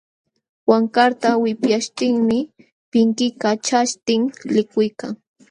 Wankarta wipyaśhtinmi pinkikaćhaśhtin likuykan.